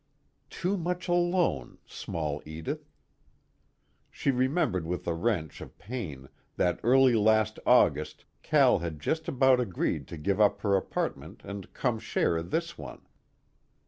Too much alone, small Edith. She remembered with a wrench of pain that early last August Cal had just about agreed to give up her apartment and come share this one.